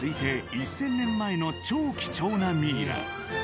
１０００年前の超貴重なミイラ。